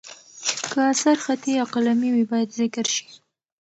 که اثر خطي یا قلمي وي، باید ذکر شي.